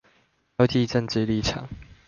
標記政治立場